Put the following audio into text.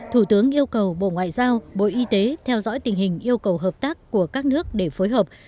thủ tướng yêu cầu bộ ngoại giao bộ y tế theo dõi tình hình yêu cầu hợp tác của các nước để phối hợp